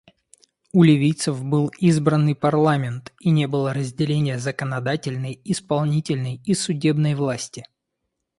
У ливийцев был избранный парламент, и не было разделения законодательной, исполнительной и судебной власти.